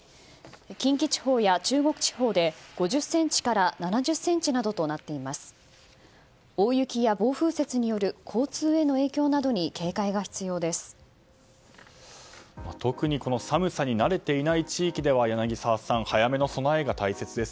近畿地方や中国地方で５０ｃｍから７０ｃｍなどとなっています。